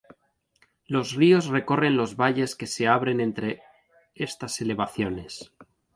Los ríos recorren los valles que se abren entre estas elevaciones.